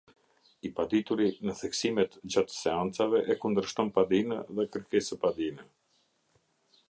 I padituri në theksimet gjatë seancave e kundërshton padinë dhe kërkesëpadinë.